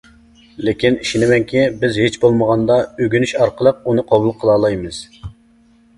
لېكىن ئىشىنىمەنكى، بىز ھېچبولمىغاندا ئۆگىنىش ئارقىلىق ئۇنى قوبۇل قىلالايمىز.